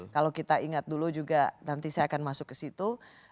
kalau kita ingat dulu juga nanti saya akan masuk ke situ